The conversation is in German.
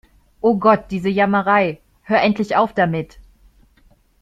Oh Gott, diese Jammerei. Hör endlich auf damit!